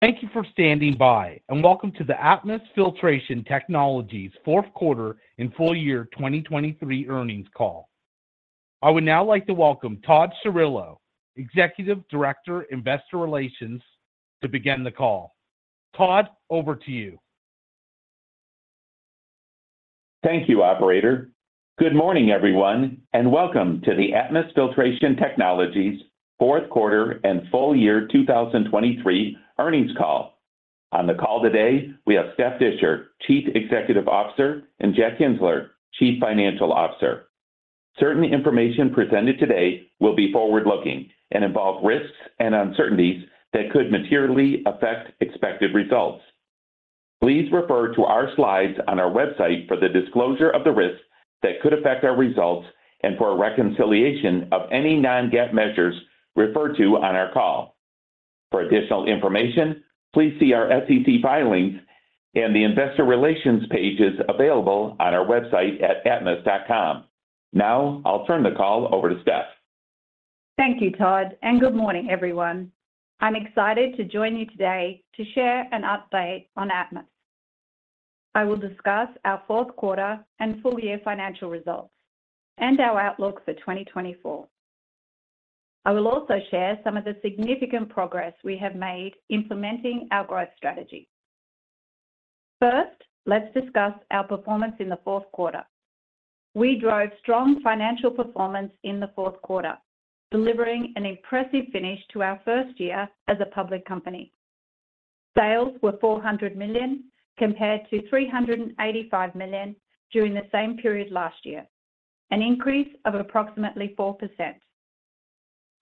Thank you for standing by, and welcome to the Atmus Filtration Technologies fourth quarter and full year 2023 earnings call. I would now like to welcome Todd Chirillo, Executive Director, Investor Relations, to begin the call. Todd, over to you. Thank you, operator. Good morning, everyone, and welcome to the Atmus Filtration Technologies fourth quarter and full year 2023 earnings call. On the call today, we have Steph Disher, Chief Executive Officer, and Jack Kienzler, Chief Financial Officer. Certain information presented today will be forward-looking and involve risks and uncertainties that could materially affect expected results. Please refer to our slides on our website for the disclosure of the risks that could affect our results and for a reconciliation of any non-GAAP measures referred to on our call. For additional information, please see our SEC filings and the Investor Relations pages available on our website at atmus.com. Now I'll turn the call over to Steph. Thank you, Todd, and good morning, everyone. I'm excited to join you today to share an update on Atmus. I will discuss our fourth quarter and full year financial results and our outlook for 2024. I will also share some of the significant progress we have made implementing our growth strategy. First, let's discuss our performance in the fourth quarter. We drove strong financial performance in the fourth quarter, delivering an impressive finish to our first year as a public company. Sales were $400 million, compared to $385 million during the same period last year, an increase of approximately 4%.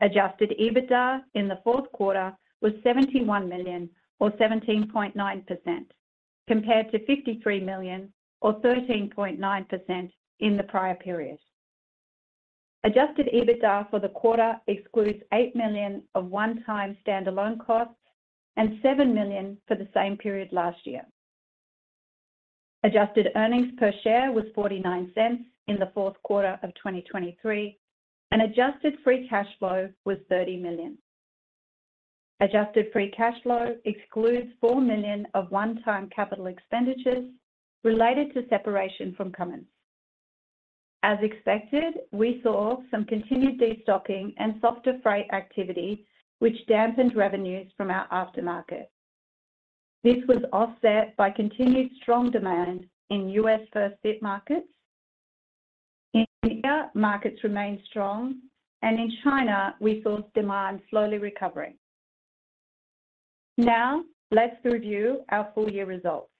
Adjusted EBITDA in the fourth quarter was $71 million, or 17.9%, compared to $53 million or 13.9% in the prior period. Adjusted EBITDA for the quarter excludes $8 million of one-time standalone costs and $7 million for the same period last year. Adjusted earnings per share was $0.49 in the fourth quarter of 2023, and adjusted free cash flow was $30 million. Adjusted free cash flow excludes $4 million of one-time capital expenditures related to separation from Cummins. As expected, we saw some continued destocking and softer freight activity, which dampened revenues from our aftermarket. This was offset by continued strong demand in U.S. first-fit markets. India markets remained strong, and in China, we saw demand slowly recovering. Now, let's review our full year results.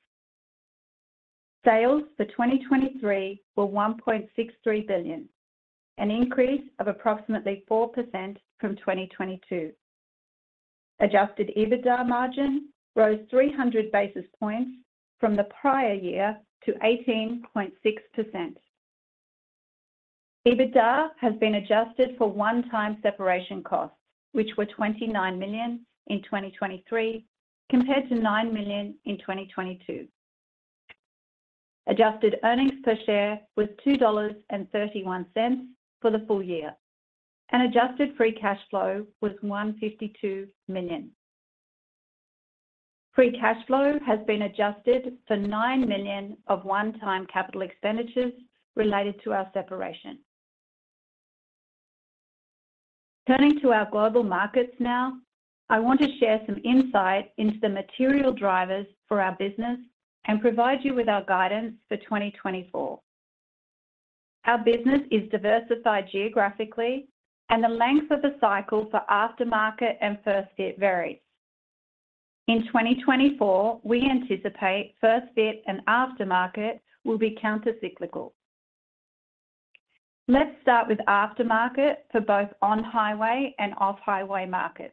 Sales for 2023 were $1.63 billion, an increase of approximately 4% from 2022. Adjusted EBITDA margin rose 300 basis points from the prior year to 18.6%. EBITDA has been adjusted for one-time separation costs, which were $29 million in 2023, compared to $9 million in 2022. Adjusted earnings per share was $2.31 for the full year, and adjusted free cash flow was $152 million. Free cash flow has been adjusted for $9 million of one-time capital expenditures related to our separation. Turning to our global markets now, I want to share some insight into the material drivers for our business and provide you with our guidance for 2024. Our business is diversified geographically, and the length of the cycle for aftermarket and first-fit varies. In 2024, we anticipate first-fit and aftermarket will be countercyclical. Let's start with aftermarket for both on-highway and off-highway markets.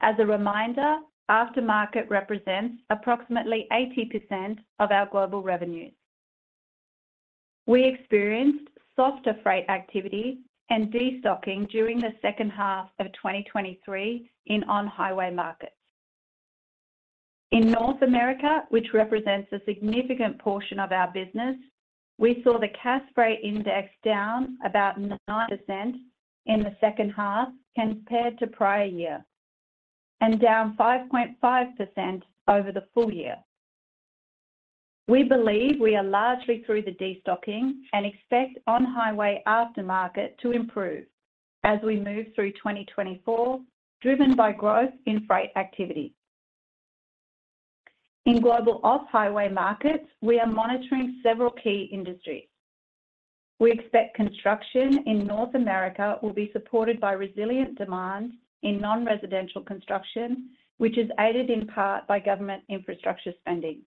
As a reminder, aftermarket represents approximately 80% of our global revenues. We experienced softer freight activity and destocking during the second half of 2023 in on-highway markets. In North America, which represents a significant portion of our business, we saw the Cass Freight Index down about 9% in the second half compared to prior year, and down 5.5% over the full year. We believe we are largely through the destocking and expect on-highway aftermarket to improve as we move through 2024, driven by growth in freight activity. In global off-highway markets, we are monitoring several key industries. We expect construction in North America will be supported by resilient demand in non-residential construction, which is aided in part by government infrastructure spending.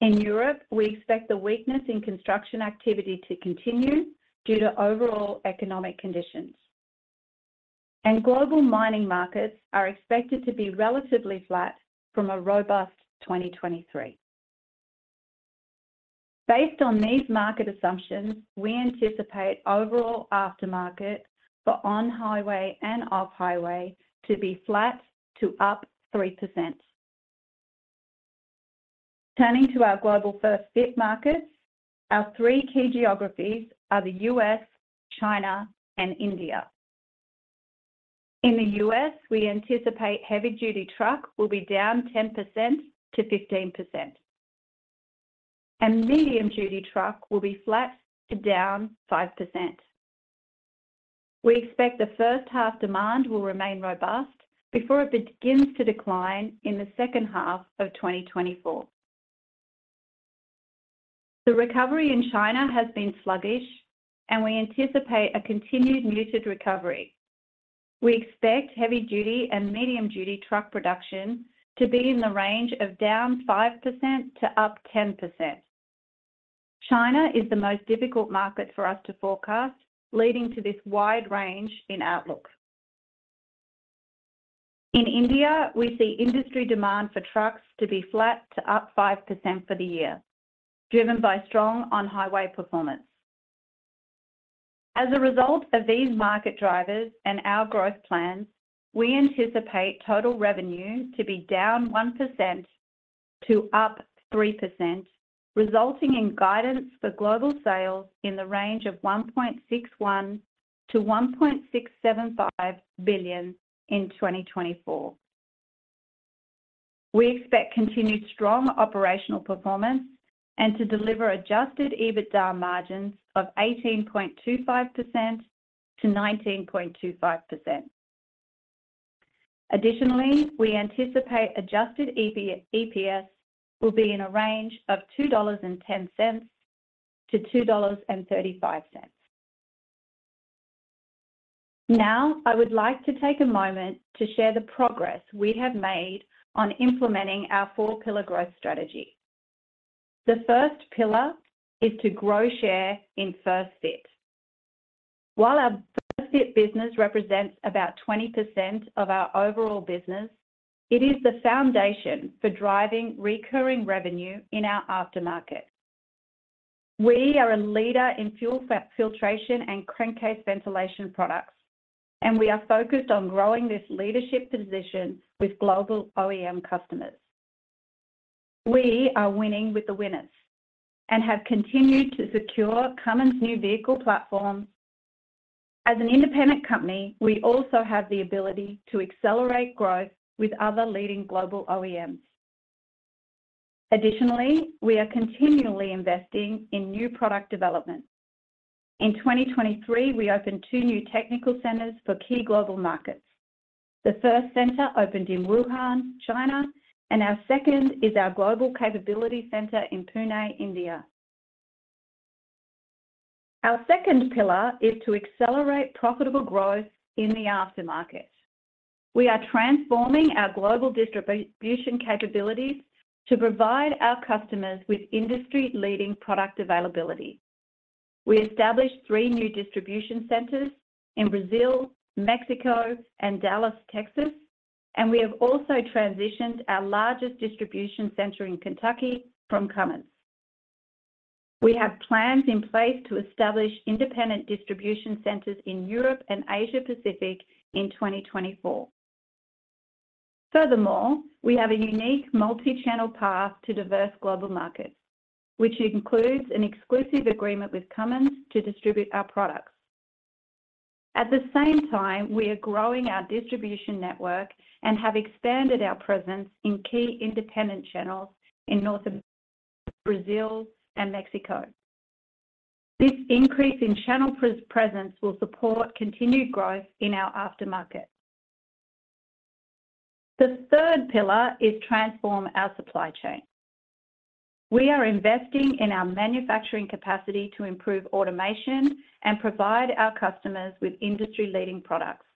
In Europe, we expect the weakness in construction activity to continue due to overall economic conditions. Global mining markets are expected to be relatively flat from a robust 2023. Based on these market assumptions, we anticipate overall aftermarket for on-highway and off-highway to be flat to up 3%. Turning to our global first-fit markets, our three key geographies are the U.S., China, and India. In the U.S., we anticipate heavy-duty truck will be down 10%-15%, and medium-duty truck will be flat to down 5%. We expect the first half demand will remain robust before it begins to decline in the second half of 2024. The recovery in China has been sluggish, and we anticipate a continued muted recovery. We expect heavy-duty and medium-duty truck production to be in the range of down 5% to up 10%. China is the most difficult market for us to forecast, leading to this wide range in outlook. In India, we see industry demand for trucks to be flat to up 5% for the year, driven by strong on-highway performance. As a result of these market drivers and our growth plans, we anticipate total revenue to be down 1% to up 3%, resulting in guidance for global sales in the range of $1.61 billion-$1.675 billion in 2024. We expect continued strong operational performance and to deliver adjusted EBITDA margins of 18.25%-19.25%. Additionally, we anticipate adjusted EPS will be in a range of $2.10-$2.35. Now, I would like to take a moment to share the progress we have made on implementing our four pillar growth strategy. The first pillar is to grow share in first-fit. While our first-fit business represents about 20% of our overall business, it is the foundation for driving recurring revenue in our aftermarket. We are a leader in fuel filtration and crankcase ventilation products, and we are focused on growing this leadership position with global OEM customers. We are winning with the winners and have continued to secure Cummins' new vehicle platform. As an independent company, we also have the ability to accelerate growth with other leading global OEMs. Additionally, we are continually investing in new product development. In 2023, we opened two new technical centers for key global markets. The first center opened in Wuhan, China, and our second is our Global Capability Center in Pune, India. Our second pillar is to accelerate profitable growth in the aftermarket. We are transforming our global distribution capabilities to provide our customers with industry-leading product availability. We established three new distribution centers in Brazil, Mexico, and Dallas, Texas, and we have also transitioned our largest distribution center in Kentucky from Cummins. We have plans in place to establish independent distribution centers in Europe and Asia Pacific in 2024. Furthermore, we have a unique multi-channel path to diverse global markets, which includes an exclusive agreement with Cummins to distribute our products. At the same time, we are growing our distribution network and have expanded our presence in key independent channels in North America, Brazil, and Mexico. This increase in channel presence will support continued growth in our aftermarket. The third pillar is transform our supply chain. We are investing in our manufacturing capacity to improve automation and provide our customers with industry-leading products.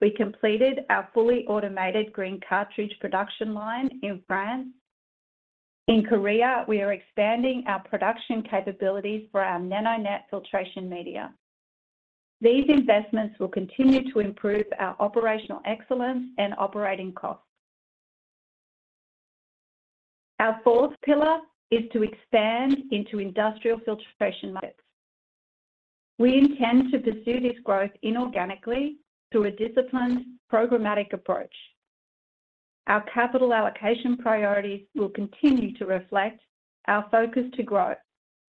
We completed our fully automated green cartridge production line in France. In Korea, we are expanding our production capabilities for our NanoNet filtration media. These investments will continue to improve our operational excellence and operating costs. Our fourth pillar is to expand into industrial filtration markets. We intend to pursue this growth inorganically through a disciplined, programmatic approach. Our capital allocation priorities will continue to reflect our focus to growth,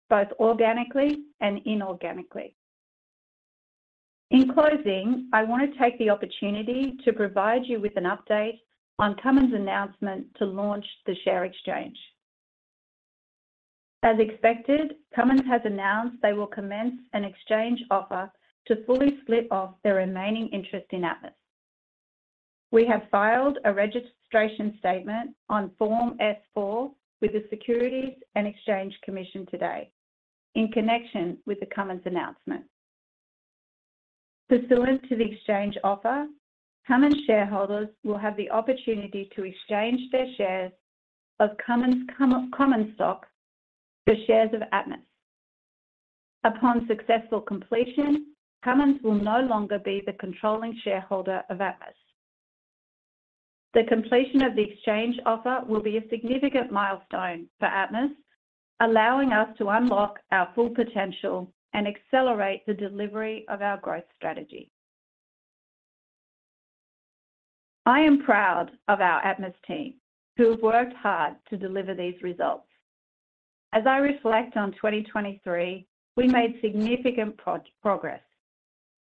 both organically and inorganically. In closing, I want to take the opportunity to provide you with an update on Cummins' announcement to launch the share exchange. As expected, Cummins has announced they will commence an exchange offer to fully split off their remaining interest in Atmus. We have filed a registration statement on Form S-4 with the Securities and Exchange Commission today in connection with the Cummins announcement. Pursuant to the exchange offer, Cummins shareholders will have the opportunity to exchange their shares of Cummins common stock for shares of Atmus. Upon successful completion, Cummins will no longer be the controlling shareholder of Atmus. The completion of the exchange offer will be a significant milestone for Atmus, allowing us to unlock our full potential and accelerate the delivery of our growth strategy. I am proud of our Atmus team, who have worked hard to deliver these results. As I reflect on 2023, we made significant progress,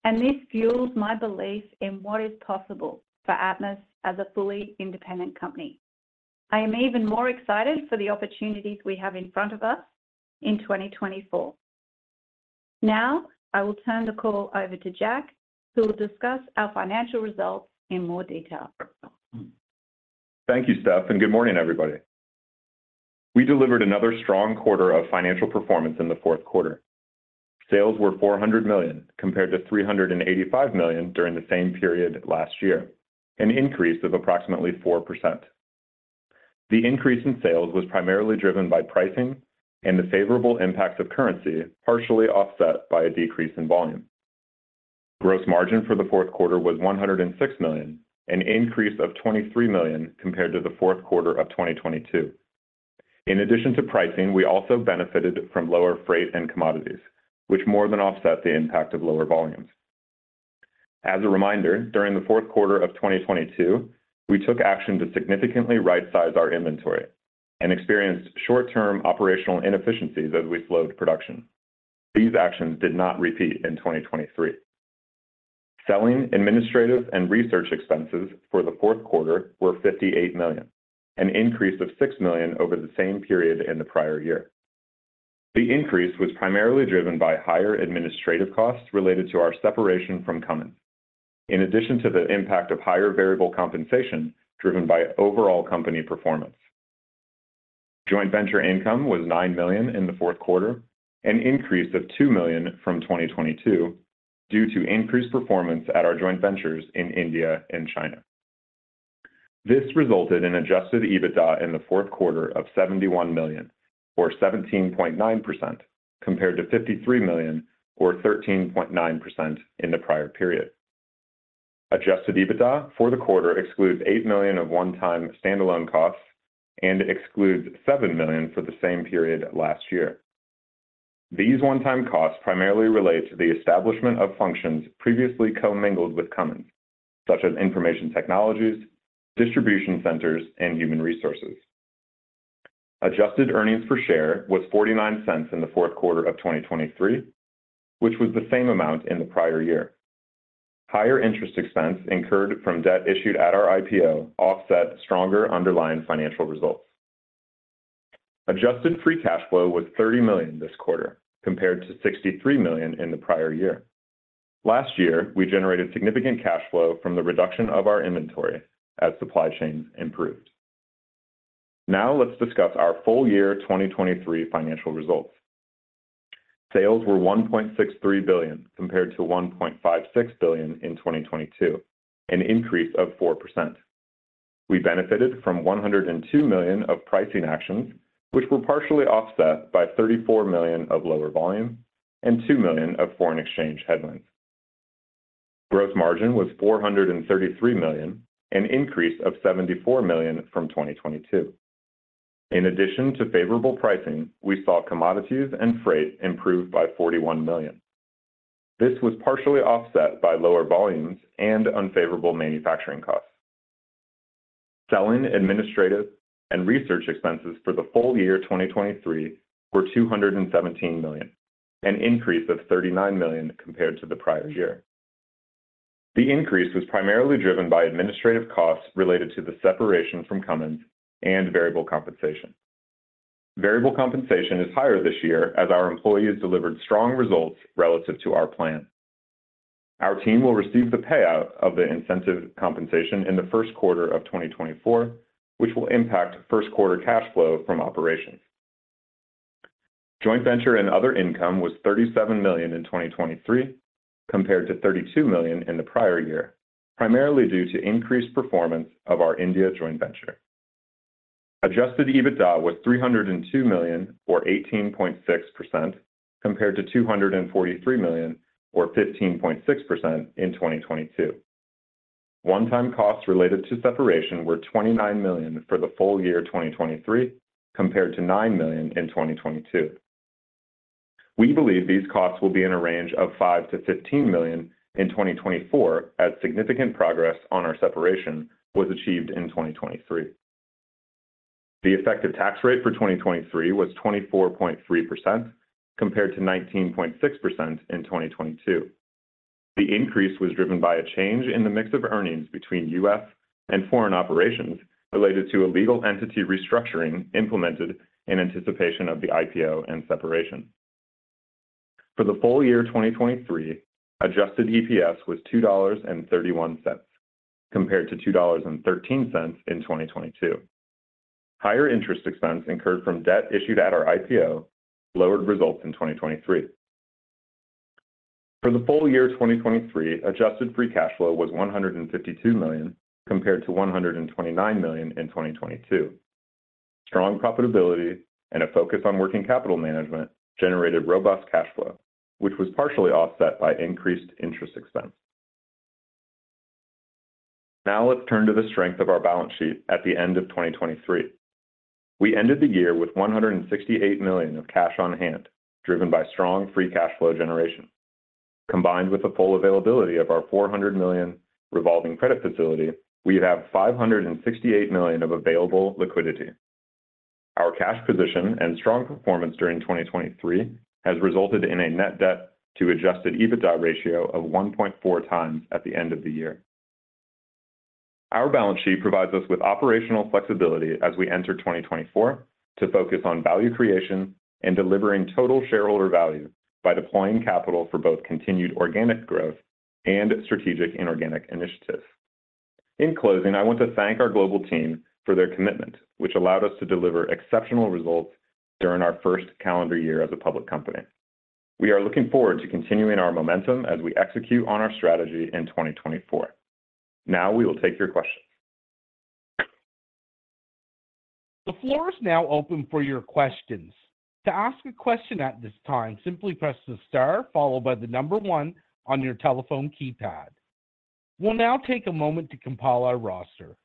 and this fuels my belief in what is possible for Atmus as a fully independent company. I am even more excited for the opportunities we have in front of us in 2024. Now, I will turn the call over to Jack, who will discuss our financial results in more detail. Thank you, Steph, and good morning, everybody. We delivered another strong quarter of financial performance in the fourth quarter. Sales were $400 million, compared to $385 million during the same period last year, an increase of approximately 4%. The increase in sales was primarily driven by pricing and the favorable impact of currency, partially offset by a decrease in volume. Gross margin for the fourth quarter was $106 million, an increase of $23 million compared to the fourth quarter of 2022. In addition to pricing, we also benefited from lower freight and commodities, which more than offset the impact of lower volumes. As a reminder, during the fourth quarter of 2022, we took action to significantly right-size our inventory and experienced short-term operational inefficiencies as we slowed production. These actions did not repeat in 2023. Selling, administrative, and research expenses for the fourth quarter were $58 million, an increase of $6 million over the same period in the prior year. The increase was primarily driven by higher administrative costs related to our separation from Cummins, in addition to the impact of higher variable compensation driven by overall company performance. Joint venture income was $9 million in the fourth quarter, an increase of $2 million from 2022 due to increased performance at our joint ventures in India and China. This resulted in adjusted EBITDA in the fourth quarter of $71 million, or 17.9%, compared to $53 million, or 13.9% in the prior period. Adjusted EBITDA for the quarter excludes $8 million of one-time standalone costs and excludes $7 million for the same period last year. These one-time costs primarily relate to the establishment of functions previously commingled with Cummins, such as information technologies, distribution centers, and human resources. Adjusted earnings per share was $0.49 in the fourth quarter of 2023, which was the same amount in the prior year. Higher interest expense incurred from debt issued at our IPO offset stronger underlying financial results. Adjusted free cash flow was $30 million this quarter, compared to $63 million in the prior year. Last year, we generated significant cash flow from the reduction of our inventory as supply chains improved. Now, let's discuss our full year 2023 financial results. Sales were $1.63 billion, compared to $1.56 billion in 2022, an increase of 4%. We benefited from $102 million of pricing actions, which were partially offset by $34 million of lower volume and $2 million of foreign exchange headwinds. Gross margin was $433 million, an increase of $74 million from 2022. In addition to favorable pricing, we saw commodities and freight improve by $41 million. This was partially offset by lower volumes and unfavorable manufacturing costs. Selling, administrative, and research expenses for the full year 2023 were $217 million, an increase of $39 million compared to the prior year. The increase was primarily driven by administrative costs related to the separation from Cummins and variable compensation. Variable compensation is higher this year as our employees delivered strong results relative to our plan. Our team will receive the payout of the incentive compensation in the first quarter of 2024, which will impact first quarter cash flow from operations. Joint venture and other income was $37 million in 2023, compared to $32 million in the prior year, primarily due to increased performance of our India joint venture. Adjusted EBITDA was $302 million, or 18.6%, compared to $243 million, or 15.6% in 2022. One-time costs related to separation were $29 million for the full year 2023, compared to $9 million in 2022. We believe these costs will be in a range of $5 million-$15 million in 2024, as significant progress on our separation was achieved in 2023. The effective tax rate for 2023 was 24.3%, compared to 19.6% in 2022. The increase was driven by a change in the mix of earnings between U.S. and foreign operations related to a legal entity restructuring implemented in anticipation of the IPO and separation. For the full year 2023, adjusted EPS was $2.31, compared to $2.13 in 2022. Higher interest expense incurred from debt issued at our IPO lowered results in 2023. For the full year 2023, adjusted free cash flow was $152 million, compared to $129 million in 2022. Strong profitability and a focus on working capital management generated robust cash flow, which was partially offset by increased interest expense. Now, let's turn to the strength of our balance sheet at the end of 2023. We ended the year with $168 million of cash on hand, driven by strong free cash flow generation. Combined with the full availability of our $400 million revolving credit facility, we have $568 million of available liquidity. Our cash position and strong performance during 2023 has resulted in a net debt to adjusted EBITDA ratio of 1.4x at the end of the year. Our balance sheet provides us with operational flexibility as we enter 2024, to focus on value creation and delivering total shareholder value, by deploying capital for both continued organic growth and strategic inorganic initiatives. In closing, I want to thank our global team for their commitment, which allowed us to deliver exceptional results during our first calendar year as a public company. We are looking forward to continuing our momentum as we execute on our strategy in 2024. Now, we will take your questions. The floor is now open for your questions. To ask a question at this time, simply press the star followed by the number one on your telephone keypad. We'll now take a moment to compile our roster.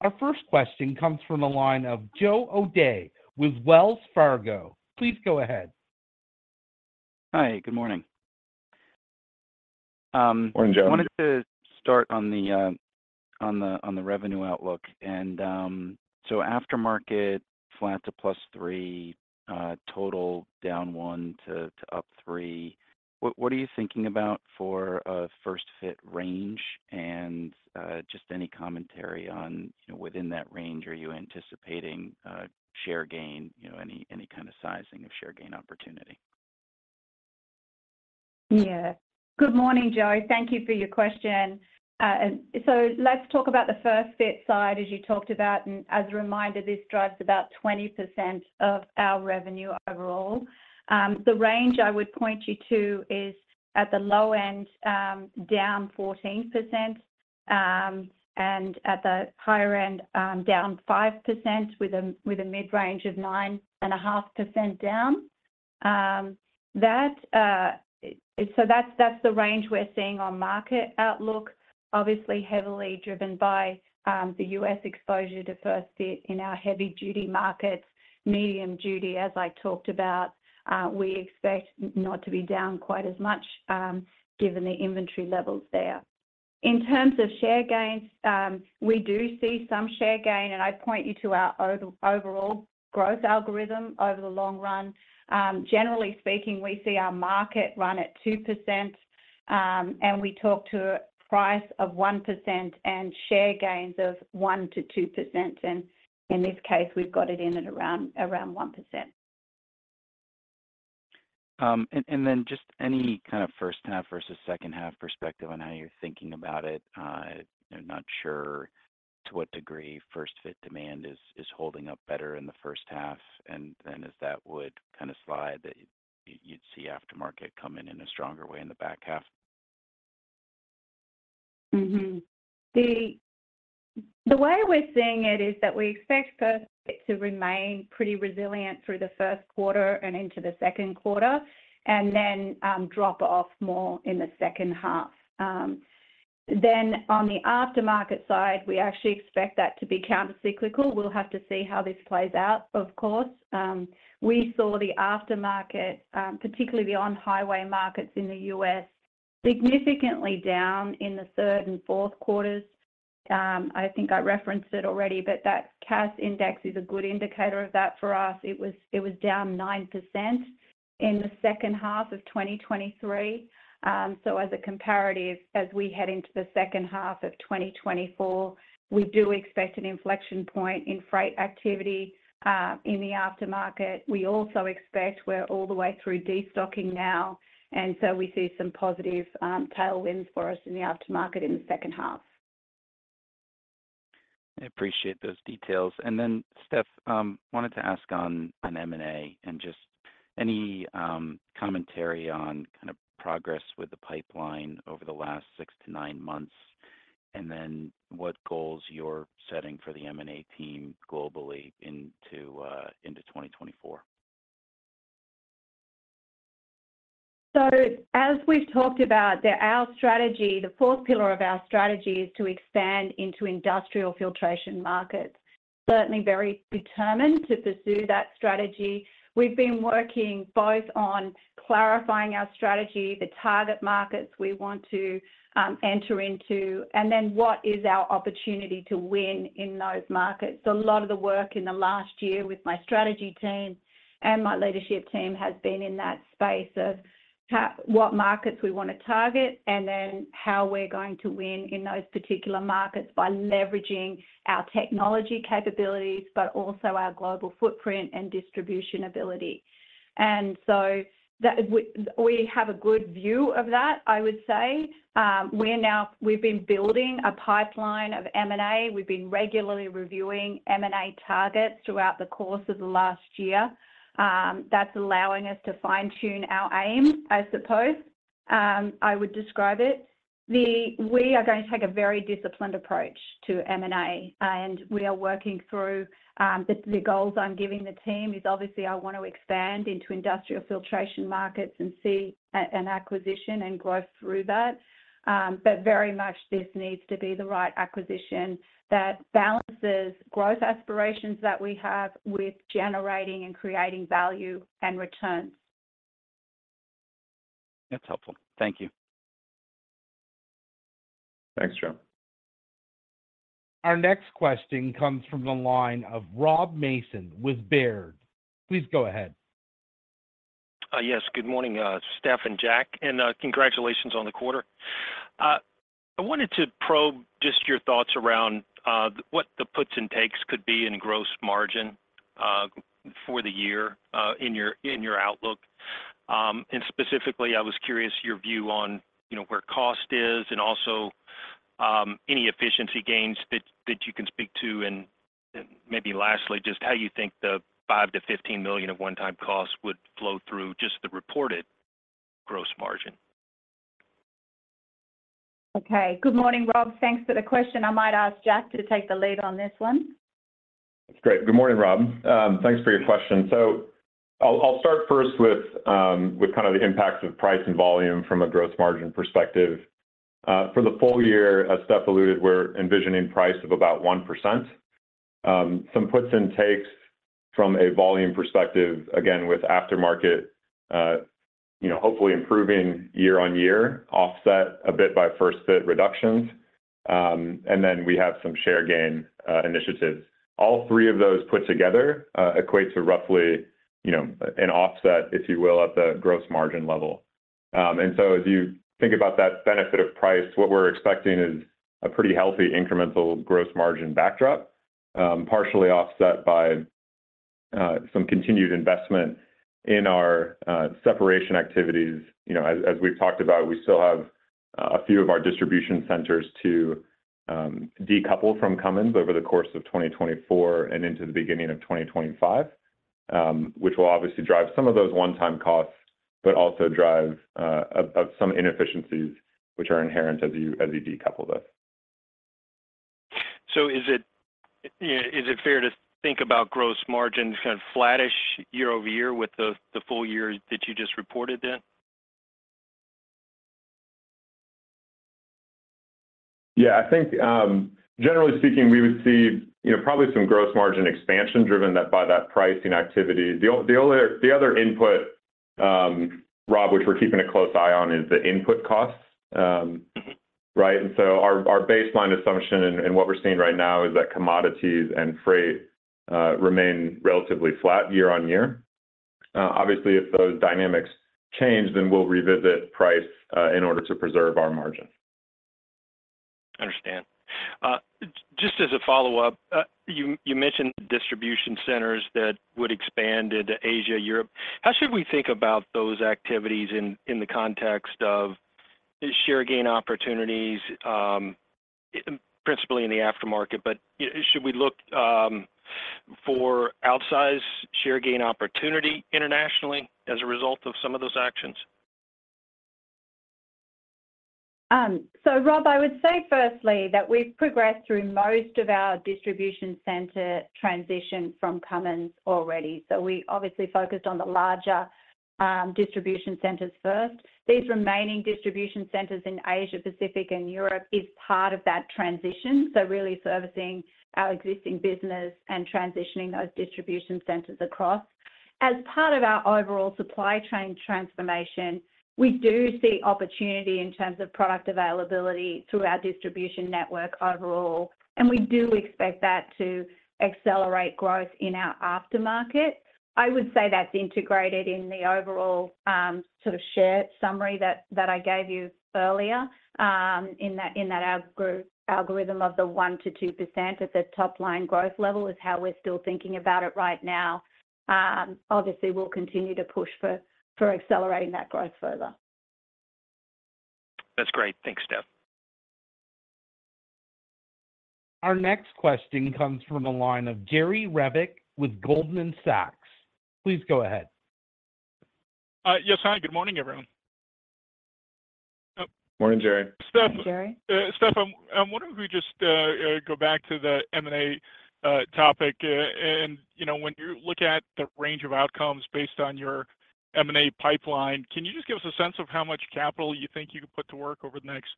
Our first question comes from the line of Joe O'Dea with Wells Fargo. Please go ahead. Hi, good morning. Morning, Joe. I wanted to start on the revenue outlook. Aftermarket flat to +3%, total -1% to +3%. What are you thinking about for a first-fit range? Just any commentary on, you know, within that range, are you anticipating share gain, you know, any kind of sizing of share gain opportunity? Yeah. Good morning, Joe. Thank you for your question. And so let's talk about the first-fit side, as you talked about, and as a reminder, this drives about 20% of our revenue overall. The range I would point you to is at the low end, down 14%, and at the higher end, down 5%, with a mid-range of 9.5% down. That, so that's the range we're seeing on market outlook. Obviously, heavily driven by the U.S. exposure to first-fit in our heavy-duty markets. Medium duty, as I talked about, we expect not to be down quite as much, given the inventory levels there. In terms of share gains, we do see some share gain, and I'd point you to our overall growth algorithm over the long run. Generally speaking, we see our market run at 2%, and we talk to a price of 1% and share gains of 1%-2%, and in this case, we've got it in at around one percent. And then, just any kind of first half versus second half perspective on how you're thinking about it. I'm not sure to what degree first-fit demand is holding up better in the first half, and then as that would kind of slide, that you'd see aftermarket coming in a stronger way in the back half. Mm-hmm. The way we're seeing it is that we expect first-fit to remain pretty resilient through the first quarter and into the second quarter, and then drop off more in the second half. Then on the aftermarket side, we actually expect that to be countercyclical. We'll have to see how this plays out, of course. We saw the aftermarket, particularly the on-highway markets in the U.S., significantly down in the third and fourth quarters. I think I referenced it already, but that Cass index is a good indicator of that for us. It was down 9% in the second half of 2023. So as a comparative, as we head into the second half of 2024, we do expect an inflection point in freight activity in the aftermarket. We also expect we're all the way through destocking now, and so we see some positive tailwinds for us in the aftermarket in the second half. I appreciate those details. Then, Steph, wanted to ask on an M&A, and just any commentary on kind of progress with the pipeline over the last six months to nine months, and then what goals you're setting for the M&A team globally into 2024. So as we've talked about that our strategy, the fourth pillar of our strategy is to expand into industrial filtration markets. Certainly very determined to pursue that strategy. We've been working both on clarifying our strategy, the target markets we want to enter into, and then what is our opportunity to win in those markets. A lot of the work in the last year with my strategy team and my leadership team has been in that space of what markets we want to target, and then how we're going to win in those particular markets by leveraging our technology capabilities, but also our global footprint and distribution ability. And so we have a good view of that, I would say. We're now. We've been building a pipeline of M&A. We've been regularly reviewing M&A targets throughout the course of the last year. That's allowing us to fine-tune our aim, I suppose, I would describe it. We are going to take a very disciplined approach to M&A, and we are working through the goals I'm giving the team is obviously I want to expand into industrial filtration markets and see an acquisition and growth through that. But very much this needs to be the right acquisition that balances growth aspirations that we have with generating and creating value and returns. That's helpful. Thank you. Thanks, Joe. Our next question comes from the line of Rob Mason with Baird. Please go ahead. Yes. Good morning, Steph and Jack, and congratulations on the quarter. I wanted to probe just your thoughts around what the puts and takes could be in gross margin for the year in your outlook. And specifically, I was curious your view on, you know, where cost is and also any efficiency gains that you can speak to. And maybe lastly, just how you think the $5 million-$15 million of one-time costs would flow through just the reported gross margin. Okay. Good morning, Rob. Thanks for the question. I might ask Jack to take the lead on this one. Great. Good morning, Rob. Thanks for your question. So I'll start first with kind of the impacts of price and volume from a gross margin perspective. For the full year, as Steph alluded, we're envisioning price of about 1%. Some puts and takes from a volume perspective, again, with aftermarket, you know, hopefully improving year-over-year, offset a bit by first-fit reductions. And then we have some share gain initiatives. All three of those put together equate to roughly, you know, an offset, if you will, at the gross margin level. And so as you think about that benefit of price, what we're expecting is a pretty healthy incremental gross margin backdrop, partially offset by some continued investment in our separation activities. You know, as we've talked about, we still have a few of our distribution centers to decouple from Cummins over the course of 2024 and into the beginning of 2025, which will obviously drive some of those one-time costs, but also drive some inefficiencies which are inherent as you decouple this. Is it fair to think about gross margin kind of flattish year-over-year with the full year that you just reported then? Yeah, I think, generally speaking, we would see, you know, probably some gross margin expansion driven by that pricing activity. The only. The other input, Rob, which we're keeping a close eye on, is the input costs. Right? And so our baseline assumption and what we're seeing right now is that commodities and freight remain relatively flat year on year. Obviously, if those dynamics change, then we'll revisit price in order to preserve our margin. Understand. Just as a follow-up, you mentioned distribution centers that would expand into Asia, Europe. How should we think about those activities in the context of share gain opportunities, principally in the aftermarket, but should we look for outsized share gain opportunity internationally as a result of some of those actions? So Rob, I would say firstly that we've progressed through most of our distribution center transition from Cummins already. So we obviously focused on the larger distribution centers first. These remaining distribution centers in Asia, Pacific, and Europe is part of that transition, so really servicing our existing business and transitioning those distribution centers across. As part of our overall supply chain transformation, we do see opportunity in terms of product availability through our distribution network overall, and we do expect that to accelerate growth in our aftermarket. I would say that's integrated in the overall sort of shared summary that I gave you earlier in that algorithm of the 1%-2% at the top line growth level is how we're still thinking about it right now. Obviously, we'll continue to push for accelerating that growth further. That's great. Thanks, Steph. Our next question comes from the line of Jerry Revich with Goldman Sachs. Please go ahead. Yes, hi, good morning, everyone. Morning, Jerry. Morning, Jerry. Steph, I'm wondering if we just go back to the M&A topic. You know, when you look at the range of outcomes based on your M&A pipeline, can you just give us a sense of how much capital you think you can put to work over the next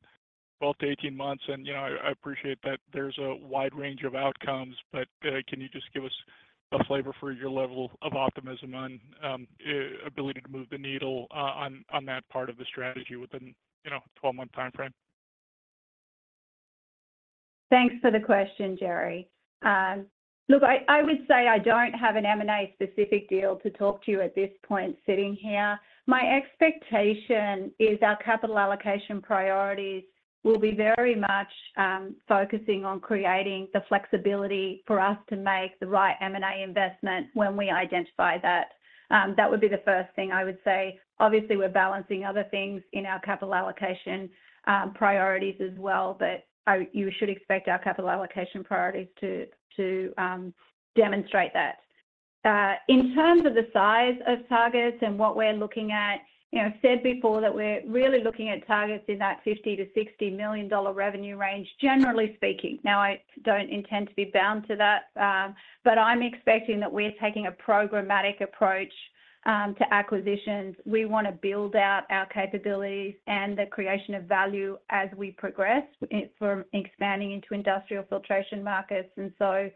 12 months-18 months? And, you know, I appreciate that there's a wide range of outcomes, but can you just give us a flavor for your level of optimism on ability to move the needle on that part of the strategy within, you know, a 12-month time frame? Thanks for the question, Jerry. Look, I would say I don't have an M&A specific deal to talk to you at this point sitting here. My expectation is our capital allocation priorities will be very much focusing on creating the flexibility for us to make the right M&A investment when we identify that. That would be the first thing I would say. Obviously, we're balancing other things in our capital allocation priorities as well, but you should expect our capital allocation priorities to demonstrate that. In terms of the size of targets and what we're looking at, you know, I've said before, that we're really looking at targets in that $50 million-$60 million revenue range, generally speaking. Now, I don't intend to be bound to that, but I'm expecting that we're taking a programmatic approach to acquisitions. We want to build out our capabilities and the creation of value as we progress, from expanding into industrial filtration markets. And so,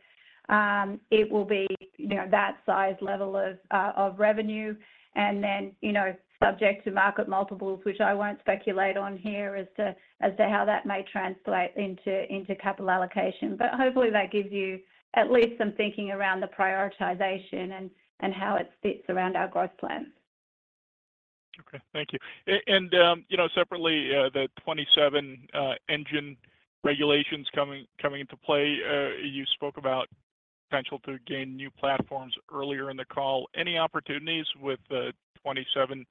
it will be, you know, that size level of, of revenue and then, you know, subject to market multiples, which I won't speculate on here as to, as to how that may translate into, into capital allocation. But hopefully, that gives you at least some thinking around the prioritization and, and how it fits around our growth plans. Okay. Thank you. And, you know, separately, the 27 engine regulations coming into play, you spoke about potential to gain new platforms earlier in the call. Any opportunities with the 27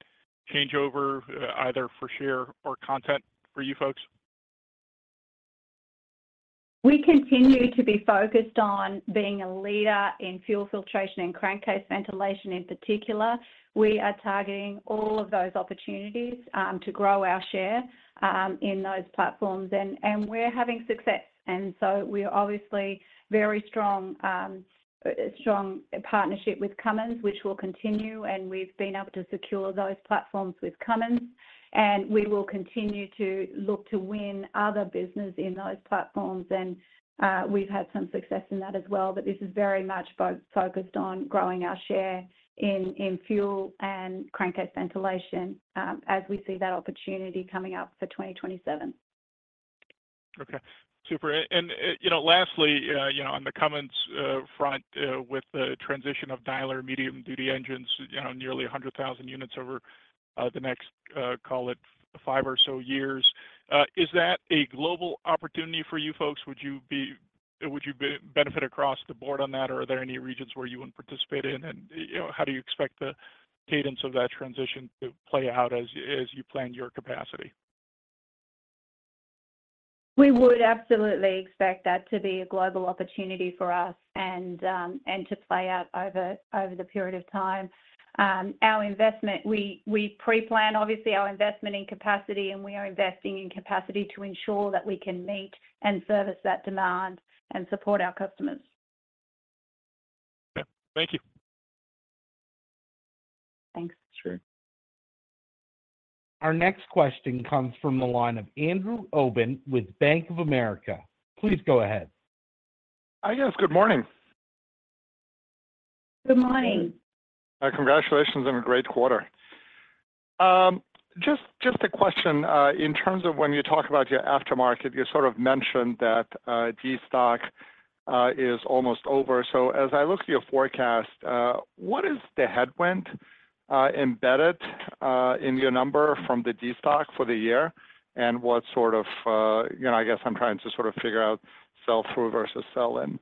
changeover, either for share or content for you folks? We continue to be focused on being a leader in fuel filtration and crankcase ventilation in particular. We are targeting all of those opportunities to grow our share in those platforms. And we're having success, and so we are obviously very strong partnership with Cummins, which will continue, and we've been able to secure those platforms with Cummins. And we will continue to look to win other business in those platforms, and we've had some success in that as well. But this is very much focused on growing our share in fuel and crankcase ventilation as we see that opportunity coming up for 2027. Okay, super. And, you know, lastly, you know, on the Cummins front, with the transition of diesel medium-duty engines, you know, nearly 100,000 units over the next, call it five or so years, is that a global opportunity for you folks? Would you benefit across the board on that, or are there any regions where you wouldn't participate in? And, you know, how do you expect the cadence of that transition to play out as you plan your capacity? We would absolutely expect that to be a global opportunity for us and to play out over the period of time. Our investment, we pre-plan, obviously, our investment in capacity, and we are investing in capacity to ensure that we can meet and service that demand, and support our customers. Okay. Thank you. Thanks. Sure. Our next question comes from the line of Andrew Obin, with Bank of America. Please go ahead. Hi, guys. Good morning. Good morning. Congratulations on a great quarter. Just a question in terms of when you talk about your aftermarket, you sort of mentioned that destock is almost over. So as I look through your forecast, what is the headwind embedded in your number from the destock for the year? And what sort of, you know, I guess I'm trying to sort of figure out sell-through versus sell-in. Hmm.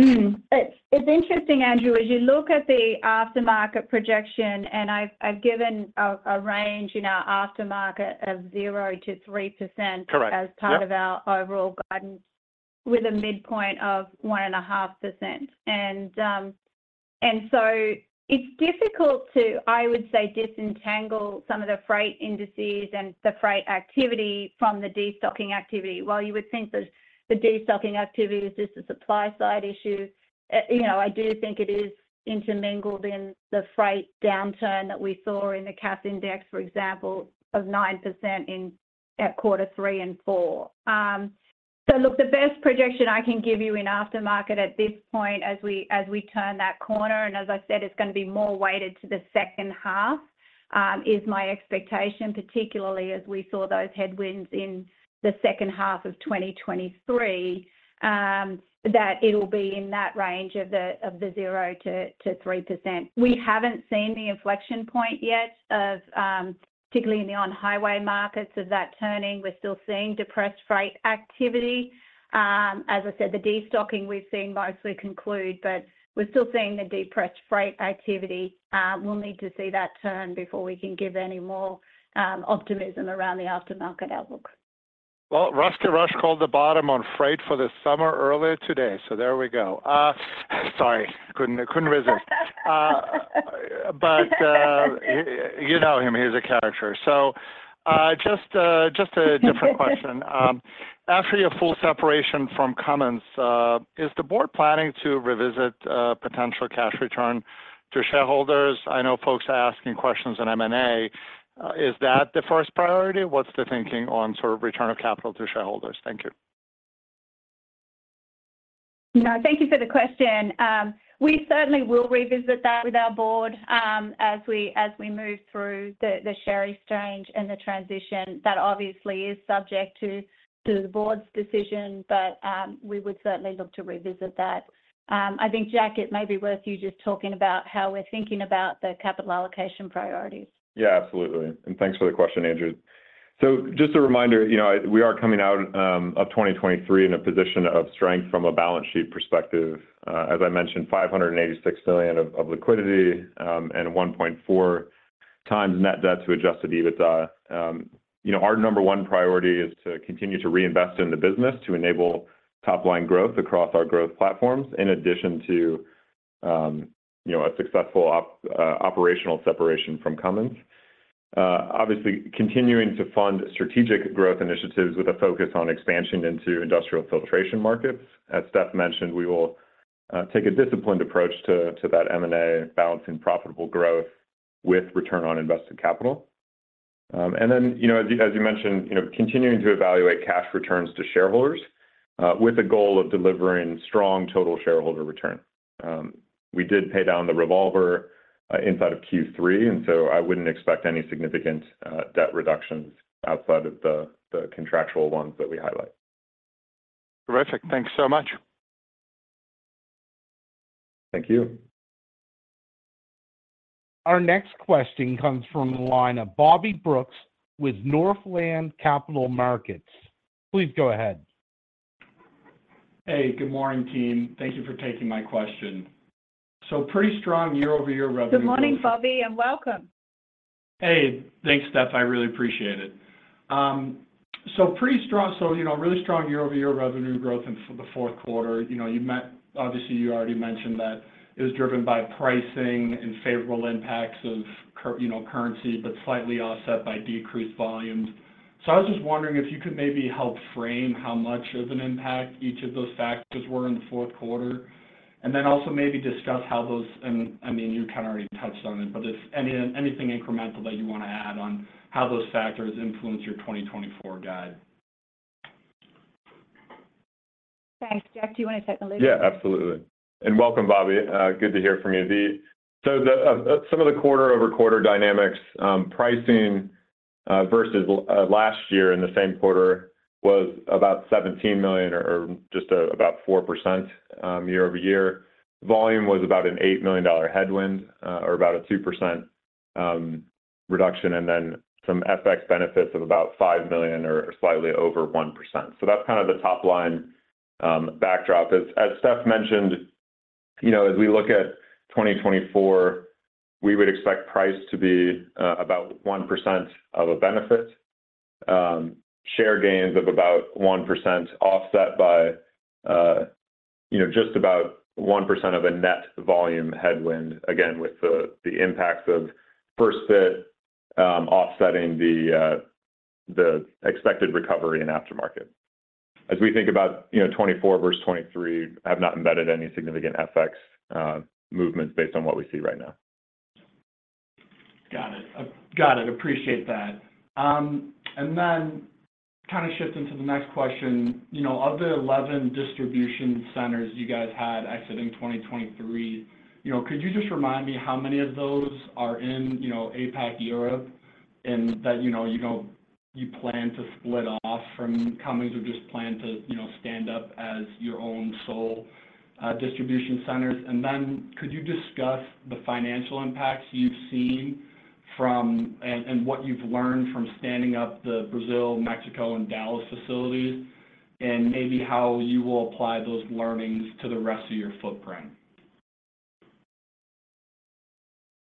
It's interesting, Andrew, as you look at the aftermarket projection, and I've given a range in our aftermarket of 0%-3%. Correct. Yep As part of our overall guidance, with a midpoint of 1.5%. And, and so it's difficult to, I would say, disentangle some of the freight indices and the freight activity from the destocking activity. While you would think that the destocking activity is just a supply side issue, you know, I do think it is intermingled in the freight downturn that we saw in the Cass index, for example, of 9% in, at quarter three and four. So, look, the best projection I can give you in aftermarket at this point, as we turn that corner, and as I said, it's gonna be more weighted to the second half, is my expectation, particularly as we saw those headwinds in the second half of 2023, that it'll be in that range of the 0%-3%. We haven't seen the inflection point yet of particularly in the on-highway markets of that turning. We're still seeing depressed freight activity. As I said, the destocking we've seen mostly conclude, but we're still seeing the depressed freight activity. We'll need to see that turn before we can give any more optimism around the aftermarket outlook. Well, Rusty Rush called the bottom on freight for the summer earlier today, so there we go. Sorry, couldn't resist. You know him, he's a character. Different question, after your full separation from Cummins, is the board planning to revisit potential cash return to shareholders? I know folks are asking questions on M&A. Is that the first priority? What's the thinking on sort of return of capital to shareholders? Thank you. No, thank you for the question. We certainly will revisit that with our board, as we move through the share exchange and the transition. That obviously is subject to the board's decision, but we would certainly look to revisit that. I think, Jack, it may be worth you just talking about how we're thinking about the capital allocation priorities. Yeah, absolutely, and thanks for the question, Andrew. So just a reminder, you know, we are coming out of 2023 in a position of strength from a balance sheet perspective. As I mentioned, $586 million of liquidity and 1.4x net debt to adjusted EBITDA. You know, our number one priority is to continue to reinvest in the business to enable top-line growth across our growth platforms, in addition to a successful operational separation from Cummins. Obviously, continuing to fund strategic growth initiatives with a focus on expansion into industrial filtration markets. As Steph mentioned, we will take a disciplined approach to that M&A, balancing profitable growth with return on invested capital. And then, you know, as you mentioned, you know, continuing to evaluate cash returns to shareholders, with a goal of delivering strong total shareholder return. We did pay down the revolver inside of Q3, and so I wouldn't expect any significant debt reductions outside of the contractual ones that we highlight. Terrific. Thanks so much. Thank you. Our next question comes from the line of Bobby Brooks with Northland Capital Markets. Please go ahead. Hey, good morning, team. Thank you for taking my question. So pretty strong year-over-year revenue. Good morning, Bobby, and welcome. Hey, thanks, Steph. I really appreciate it. So pretty strong—so, you know, really strong year-over-year revenue growth in the fourth quarter. You know, obviously, you already mentioned that it was driven by pricing and favorable impacts of currency, but slightly offset by decreased volumes. So I was just wondering if you could maybe help frame how much of an impact each of those factors were in the fourth quarter, and then also maybe discuss how those. And, I mean, you kind of already touched on it, but if anything incremental that you want to add on how those factors influence your 2024 guide? Thanks. Jeff, do you want to take the lead? Yeah, absolutely. And welcome, Bobby. Good to hear from you. Some of the quarter-over-quarter dynamics, pricing versus last year in the same quarter was about $17 million or just about 4% year-over-year. Volume was about an $8 million headwind or about a 2% reduction, and then some FX benefits of about $5 million or slightly over 1%. So that's kind of the top-line backdrop. As Steph mentioned, you know, as we look at 2024, we would expect price to be about 1% of a benefit, share gains of about 1%, offset by, you know, just about 1% of a net volume headwind, again, with the impacts of first-fit offsetting the expected recovery in aftermarket. As we think about, you know, 2024 versus 2023, have not embedded any significant FX movements based on what we see right now. Got it. Got it. Appreciate that. And then kind of shifting to the next question, you know, of the 11 distribution centers you guys had exiting 2023, you know, could you just remind me how many of those are in, you know, APAC, Europe, and that, you know, you don't-- you plan to split off from Cummins or just plan to, you know, stand up as your own sole, distribution centers? And then could you discuss the financial impacts you've seen from, and, and what you've learned from standing up the Brazil, Mexico, and Dallas facilities, and maybe how you will apply those learnings to the rest of your footprint?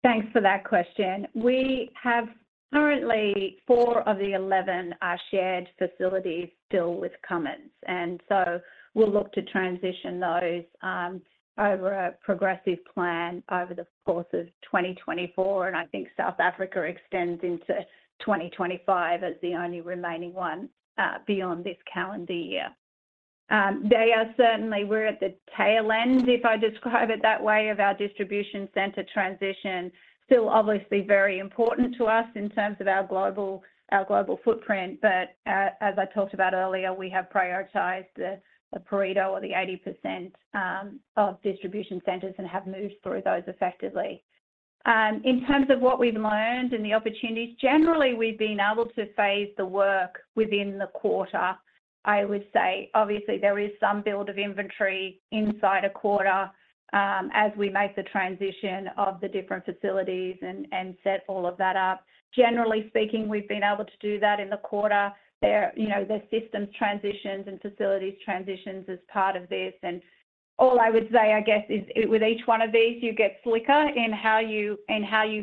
Thanks for that question. We have currently four of the 11 shared facilities still with Cummins, and so we'll look to transition those over a progressive plan over the course of 2024, and I think South Africa extends into 2025 as the only remaining one beyond this calendar year. They are certainly, we're at the tail end, if I describe it that way, of our distribution center transition. Still, obviously, very important to us in terms of our global, our global footprint, but as I talked about earlier, we have prioritized the Pareto or the 80% of distribution centers and have moved through those effectively. In terms of what we've learned and the opportunities, generally, we've been able to phase the work within the quarter. I would say, obviously, there is some build of inventory inside a quarter, as we make the transition of the different facilities and set all of that up. Generally speaking, we've been able to do that in the quarter. There are, you know, there's systems transitions and facilities transitions as part of this. And all I would say, I guess, is with each one of these, you get slicker in how you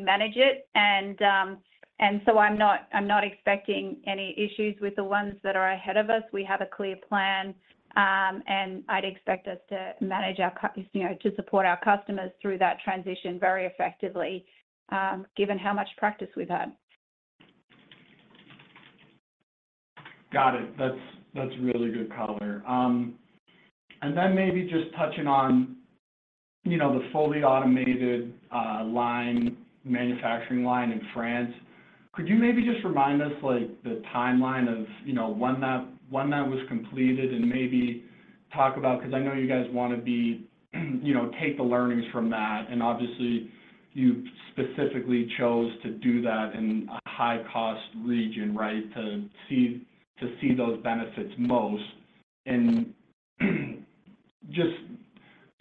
manage it. And so I'm not, I'm not expecting any issues with the ones that are ahead of us. We have a clear plan, and I'd expect us to manage our, you know, to support our customers through that transition very effectively, given how much practice we've had. Got it. That's, that's really good color. And then maybe just touching on, you know, the fully automated, line, manufacturing line in France. Could you maybe just remind us, like, the timeline of, you know, when that, when that was completed, and maybe talk about. 'Cause I know you guys wanna be, you know, take the learnings from that. And obviously, you specifically chose to do that in a high-cost region, right? To see, to see those benefits most. And just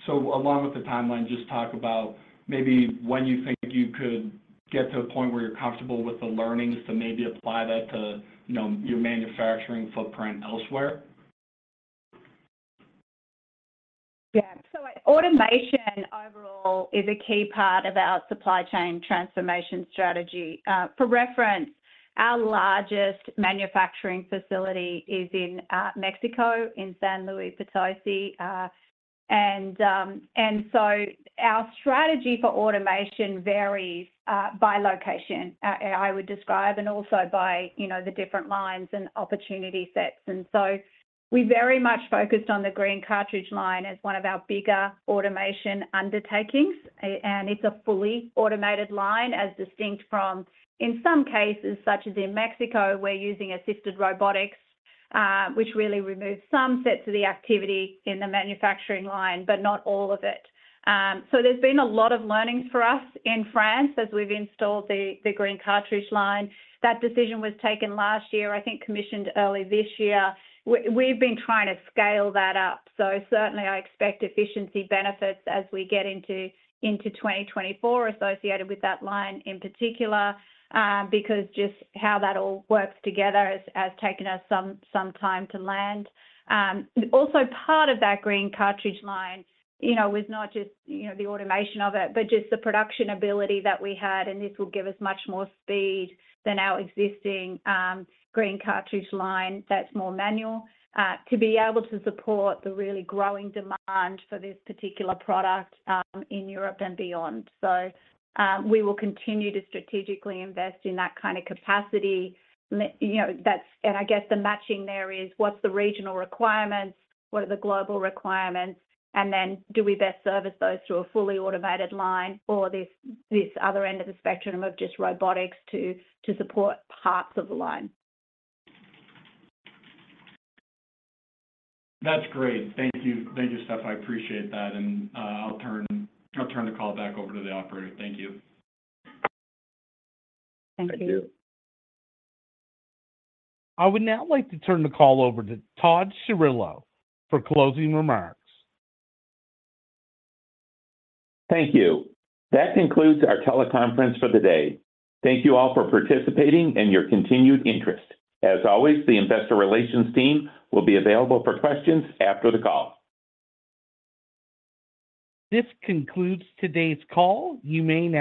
so along with the timeline, just talk about maybe when you think you could get to a point where you're comfortable with the learnings to maybe apply that to, you know, your manufacturing footprint elsewhere? Yeah, so automation overall is a key part of our supply chain transformation strategy. For reference, our largest manufacturing facility is in Mexico, in San Luis Potosí. And so our strategy for automation varies by location, I would describe, and also by, you know, the different lines and opportunity sets. And so we very much focused on the green cartridge line as one of our bigger automation undertakings, and it's a fully automated line, as distinct from, in some cases, such as in Mexico, we're using assisted robotics, which really removes some sets of the activity in the manufacturing line, but not all of it. So there's been a lot of learnings for us in France as we've installed the green cartridge line. That decision was taken last year, I think, commissioned early this year. We've been trying to scale that up, so certainly I expect efficiency benefits as we get into 2024 associated with that line in particular, because just how that all works together has taken us some time to land. Also part of that green cartridge line, you know, was not just, you know, the automation of it, but just the production ability that we had, and this will give us much more speed than our existing green cartridge line that's more manual, to be able to support the really growing demand for this particular product, in Europe and beyond. So, we will continue to strategically invest in that kind of capacity. You know, that's. And I guess, the matching there is, what's the regional requirements? What are the global requirements? And then, do we best service those through a fully automated line or this other end of the spectrum of just robotics to support parts of the line? That's great. Thank you. Thank you, Steph. I appreciate that, and I'll turn the call back over to the operator. Thank you. Thank you. Thank you. I would now like to turn the call over to Todd Chirillo for closing remarks. Thank you. That concludes our teleconference for the day. Thank you all for participating and your continued interest. As always, the investor relations team will be available for questions after the call. This concludes today's call. You may disconnect.